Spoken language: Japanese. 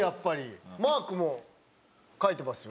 マークも描いてますよ